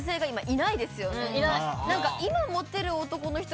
いない。